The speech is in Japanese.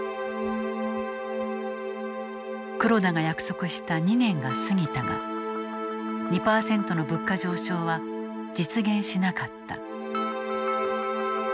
黒田が約束した２年が過ぎたが２％の物価上昇は実現しなかった。